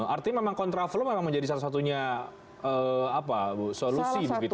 artinya memang kontraflum memang menjadi salah satunya apa bu solusi begitu